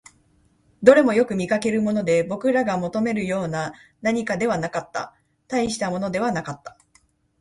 どれもよく見かけるもので、僕らが求めるような何かではなかった、大したものではなかった